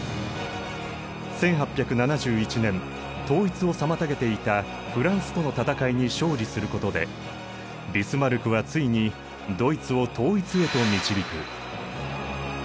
１８７１年統一を妨げていたフランスとの戦いに勝利することでビスマルクはついにドイツを統一へと導く。